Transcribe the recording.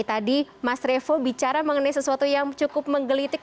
tadi mas revo bicara mengenai sesuatu yang cukup menggelitik